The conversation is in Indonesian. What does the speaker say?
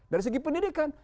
dari segi pendidikan